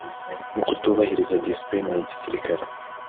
no kutubahiriza discipline ya gisirikare